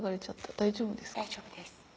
大丈夫です。